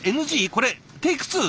これテイク２？